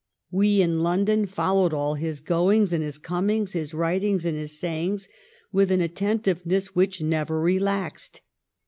We in London followed all his goings and his comings, his writings and his sayings, with an attentiveness which never relaxed.